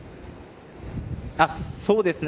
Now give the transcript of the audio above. そうですね。